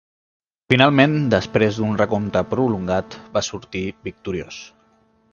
Finalment, després d'un recompte prolongat, va sortir victoriós.